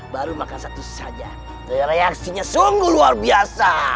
baru maka satu saja reaksinya sungguh luar biasa